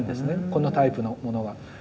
このタイプのものは。